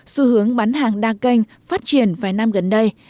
xu hướng bán hàng đa kênh phát triển vài năm gần đây